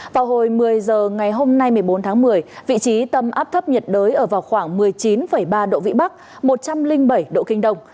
vào hồi một mươi h ngày hôm nay một mươi bốn tháng một mươi vị trí tâm áp thấp nhiệt đới ở vào khoảng một mươi chín ba độ vĩ bắc một trăm linh bảy độ kinh đông